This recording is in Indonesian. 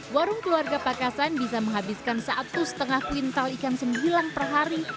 warung keluarga pakasan bisa menghabiskan satu lima kuintal ikan sembilan per hari